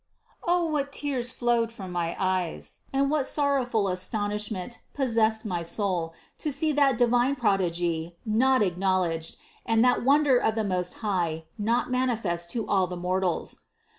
44. O what tears flowed from my eyes, and what sor rowful astonishment possessed my soul, to see that divine prodigy not acknowledged and that wonder of the Most High not manifest to all the mortals.